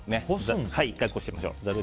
１回こしましょう。